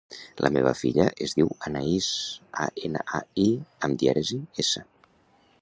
La meva filla es diu Anaïs: a, ena, a, i amb dièresi, essa.